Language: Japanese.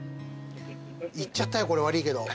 いっちゃったよ悪いけど。